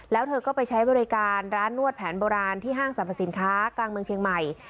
แล้วเธอก็ไปใช้บริการร้านนวดแผนโบราณที่ห้างสรรพสินค้ากลางเมืองเชียงใหม่